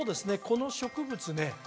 この植物ね